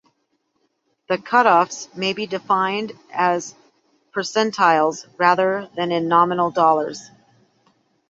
The cutoffs may be defined as percentiles rather than in nominal dollars.